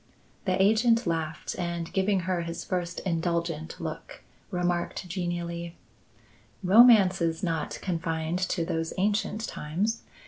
The agent laughed and giving her his first indulgent look, remarked genially: "Romance is not confined to those ancient times.